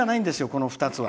この２つは。